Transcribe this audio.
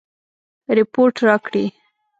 رپوټ راکړي.